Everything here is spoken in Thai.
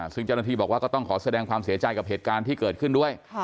ซึ่งเจ้าหน้าที่บอกว่าก็ต้องขอแสดงความเสียใจกับเหตุการณ์ที่เกิดขึ้นด้วย